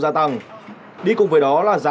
gia tăng đi cùng với đó là giá